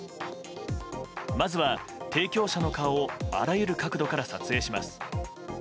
まずは提供者の顔をあらゆる角度から撮影します。